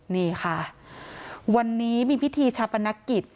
นี่ค่ะวันนี้มีพิธีชาปนกิจ